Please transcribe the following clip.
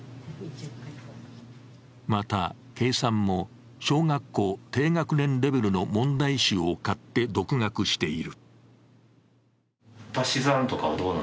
また、計算も小学校低学年レベルの問題集を買って独学している。